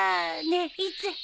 ねえいつ？